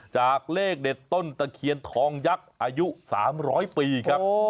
จากเลขเด็ดต้นตะเคียนทองยักษ์อายุ๓๐๐ปีครับ